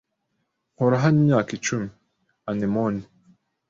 Nkora hano imyaka icumi. anemone